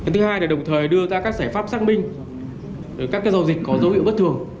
thứ hai là đồng thời đưa ra các sản pháp xác minh để các cái giao dịch có dấu hiệu bất thường